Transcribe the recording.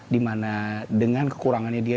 dimana dengan kekurangannya dia